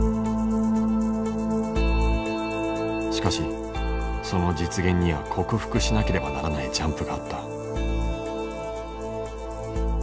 しかしその実現には克服しなければならないジャンプがあった。